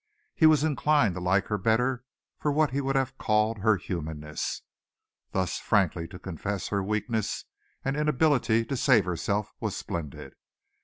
He was inclined to like her better for what he would have called her humanness. Thus frankly to confess her weakness and inability to save herself was splendid.